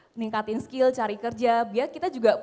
meningkatin skill cari kerja biar kita juga